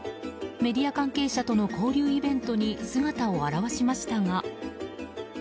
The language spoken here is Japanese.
メディア関係者との交流イベントに姿を現しましたが。